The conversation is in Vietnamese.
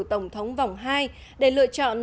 tổng thống vòng hai để lựa chọn